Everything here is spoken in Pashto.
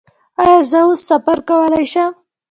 ایا زه اوس سفر کولی شم؟